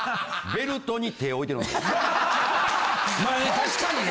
確かにね。